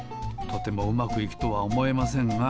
とてもうまくいくとはおもえません